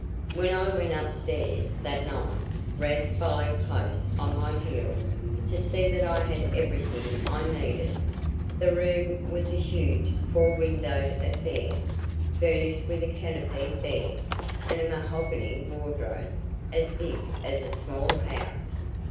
When I went upstairs that night, Rad followed close on my heels to see that I had everything I needed. The room was a huge four windowed affair, furnished with a canopied bed and a mahogany wardrobe as big as a small house.